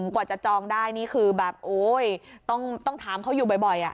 กว่าจะจองได้นี่คือแบบโอ้ยต้องต้องถามเขาอยู่บ่อยบ่อยอ่ะ